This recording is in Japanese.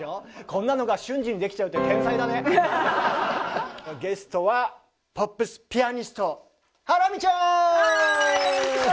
こんなのが瞬時にできちゃうってゲストはポップスピアニストハラミちゃーん！わ！